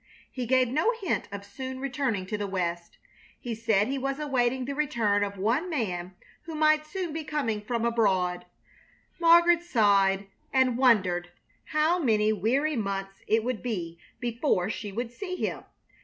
He gave no hint of soon returning to the West. He said he was awaiting the return of one man who might soon be coming from abroad. Margaret sighed and wondered how many weary months it would be before she would see him.